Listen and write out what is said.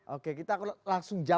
oke kita akan langsung jawab